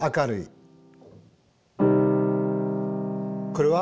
これは？